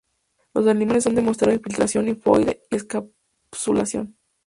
Los animales han demostrado infiltración linfoide y encapsulación.